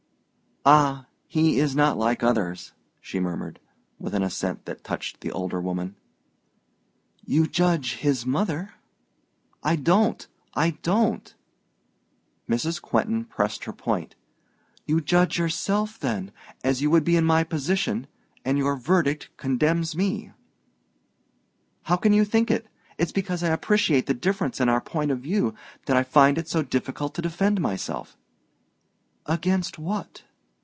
"Ah, he is not others," she murmured, with an accent that touched the older woman. "You judge his mother." "I don't; I don't!" Mrs. Quentin pressed her point. "You judge yourself, then, as you would be in my position and your verdict condemns me." "How can you think it? It's because I appreciate the difference in our point of view that I find it so difficult to defend myself " "Against what?"